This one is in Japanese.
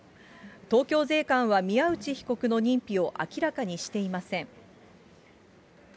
東京税関は宮内被告の認否を明らかにしていません。